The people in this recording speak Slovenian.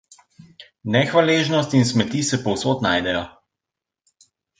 Nehvaležnost in smeti se povsod najdejo.